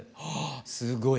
すごい。